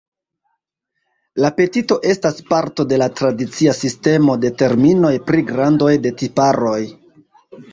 La petito estas parto de la tradicia sistemo de terminoj pri grandoj de tiparoj.